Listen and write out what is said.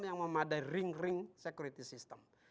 yang memadai ring ring security system